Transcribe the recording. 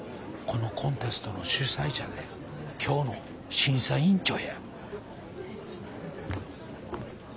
このコンテストの主催者で今日の審査委員長や。